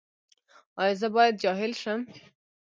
ایا زه باید جاهل شم؟